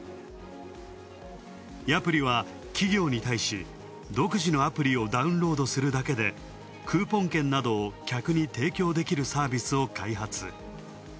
ヤプリは企業に対し独自のアプリをダウンロードするだけでクーポン券を客に提供できるサービスを開発。